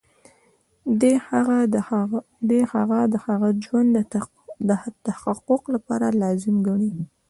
دی هغه د ښه ژوند د تحقق لپاره لازم ګڼي.